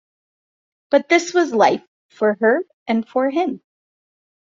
But this was life for her and for him.